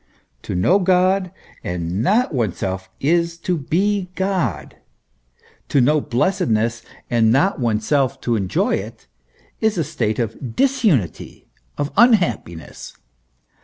To know God and not oneself to be God, to know blessed ness, and not oneself to enjoy it, is a state of disunity, of unhappiness.